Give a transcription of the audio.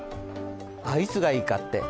いつがいいかって？